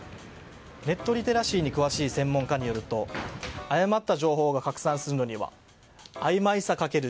ネットリテラシーに詳しい専門家によると誤った情報が拡散するのにはあいまいさ×